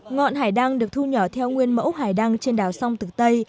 ngọn hải đăng được thu nhỏ theo nguyên mẫu hải đăng trên đảo sông tử tây